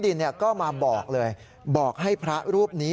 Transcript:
พระขู่คนที่เข้าไปคุยกับพระรูปนี้